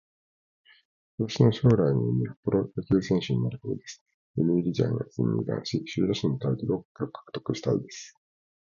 私の将来の夢はプロ野球選手になることです。読売ジャイアンツに入団し、首位打者のタイトルを獲得したいです。子供達に夢を与えられるような選手になる為に、日々の練習を頑張っていこうと思っています。